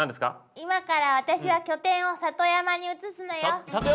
今から私は拠点を里山に移すのよ。